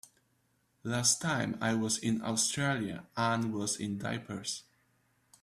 Last time I was in Australia Anne was in diapers.